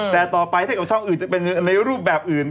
แต่ต่อไปถ้าเกิดช่องอื่นจะเป็นในรูปแบบอื่น